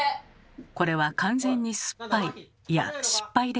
これは完全に酸っぱいいや「失敗」ですね。